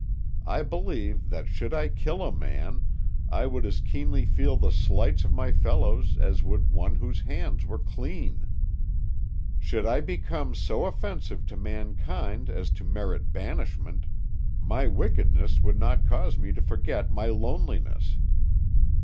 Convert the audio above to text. I believe that should I kill a man, I would as keenly feel the slights of my fellows as would one whose hands were clean. Should I become so offensive to mankind as to merit banishment, my wickedness would not cause me to forget my loneliness.